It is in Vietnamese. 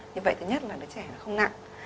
như vậy thứ nhất là đứa trẻ không nặng